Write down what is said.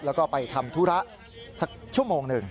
แล้วก็ไปทำธุระสักชั่วโมงหนึ่ง